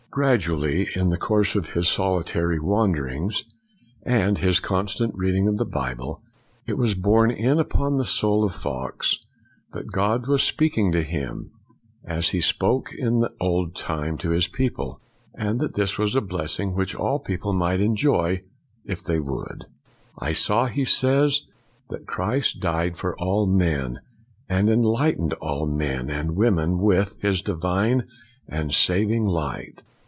Gradually, in the course of his solitary 2 86 FOX wanderings and his constant reading of the Bible, it was borne in upon the soul of Fox that God was speaking to him, as He spoke in the old time to His people, and that this was a blessing which all people might enjoy if they would. " I saw," he says, " that Christ died for all men, and enlightened all men and women with His divine and saving light.